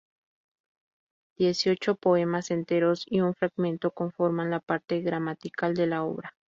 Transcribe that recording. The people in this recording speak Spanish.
Dieciocho poemas enteros y un fragmento conforman la parte gramatical de la obra.